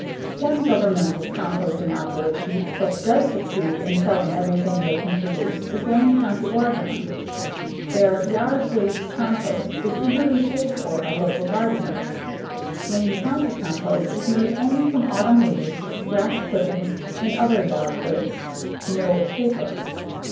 One governmental composting operation that does succeed in selling everything they can produce is Lane County, Oregon. Their yard waste compost is eagerly paid for by local gardeners. Lane County compost is made only from autumn leaves, grass clippings, and other yard wastes. No paper!